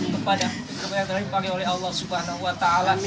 kepada orang yang dipanggil oleh allah swt